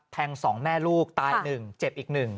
แทงสองแม่ลูกตายอีกหนึ่งเจ็บอีกหนึ่ง